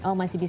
oh masih bisa